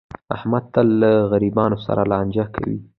احمد تل له غریبانو سره لانجه کوي.